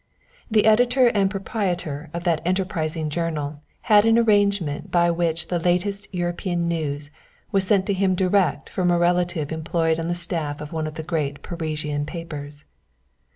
The editor and proprietor of that enterprising journal had an arrangement by which the latest European news was sent to him direct from a relative employed on the staff of one of the great Parisian papers.